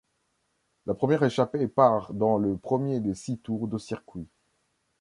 La première échappée part dans le premier des six tours de circuit.